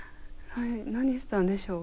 何したんでしょう？